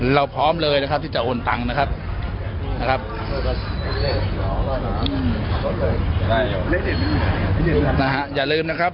เราพร้อมเลยนะครับที่จะโอนตังค์นะครับอย่าลืมนะครับ